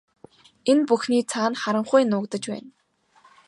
Энэ бүхний цаана харанхуй нуугдаж байна.